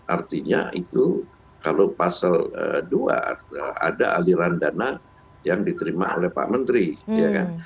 artinya itu kalau pasal dua ada aliran dana yang diterima oleh pak menteri ya kan